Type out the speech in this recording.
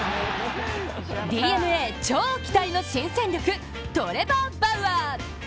ＤｅＮＡ超期待の新戦力、トレバー・バウアー。